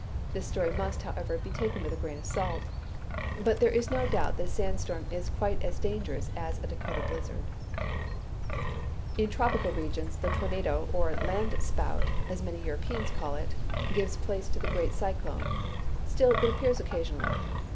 This story must, however, be taken "with a grain of salt." But there is no doubt that a sand storm is quite as dangerous as a Dakota blizzard. [Illustration: SAND SPOUTS IN THE DESERT.] In tropical regions the tornado or "land spout," as many Europeans call it, gives place to the great cyclone. Still, it appears occasionally.